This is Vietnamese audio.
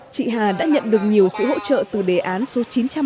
chị hà đã nhận được nhiều sự hỗ trợ từ đề án số chín trăm ba mươi